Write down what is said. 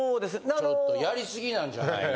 ちょっとやりすぎなんじゃないの？